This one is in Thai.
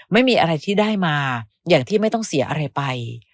ไม่มีอะไรที่ได้มาอย่างที่ไม่ต้องเสียอะไรไป